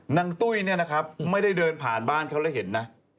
นางตุ้ยไม่ได้เดินผ่านบ้านเขาเลยเห็นน่ะ